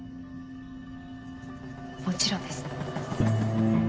もちろんです。